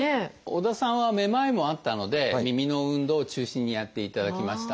織田さんはめまいもあったので耳の運動を中心にやっていただきました。